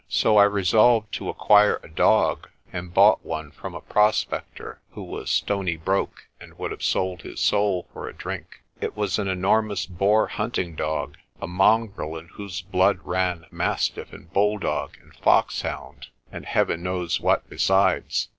So I resolved to acquire a dog, and bought one from a prospector, who was stony broke and would have sold his soul for a drink. It was an enormous Boer hunting dog, a mongrel in whose blood ran mastiff and bulldog and foxhound, and Heaven knows what besides.